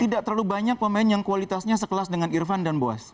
tidak terlalu banyak pemain yang kualitasnya sekelas dengan irfan dan boas